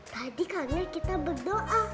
tadi kaknya kita berdoa